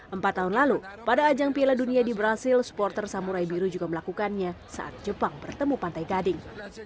empat tahun lalu pada ajang piala dunia di brazil supporter samurai biru juga melakukannya saat jepang bertemu pantai gading